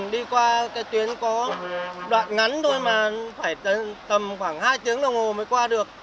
đi qua cái tuyến có đoạn ngắn thôi mà phải tầm khoảng hai tiếng đồng hồ mới qua được